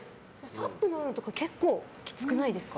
サップに乗られるの結構きつくないですか？